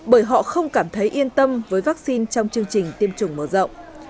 bởi họ không cảm thấy yên tâm với vaccine trong chương trình tiêm chủng mở rộng